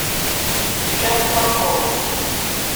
將軍澳